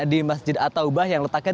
di masjid attaubah yang letaknya